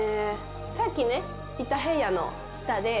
さっきいた部屋の下で。